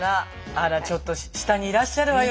あらちょっと下にいらっしゃるわよ